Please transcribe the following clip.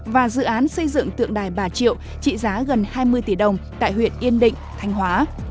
và dự án xây dựng tượng đài bà triệu trị giá gần hai mươi tỷ đồng tại huyện yên định thanh hóa